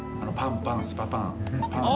パンスパン」